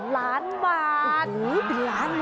โอ้โหเป็นล้านบาท